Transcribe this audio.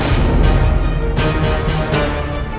sampai jumpa lagi